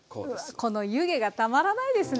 この湯気がたまらないですね！